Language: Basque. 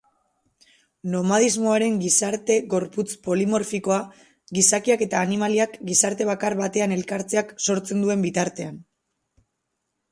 Nomadismoaren gizarte-gorputz polimorfikoa gizakiak eta animaliak gizarte bakar batean elkartzeak sortzen duen bitartean.